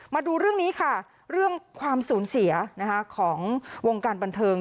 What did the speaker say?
มาดูเรื่องนี้ค่ะเรื่องความสูญเสียของวงการบันเทิง